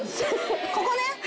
ここね。